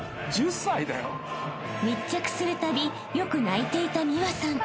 ［密着するたびよく泣いていた美和さん］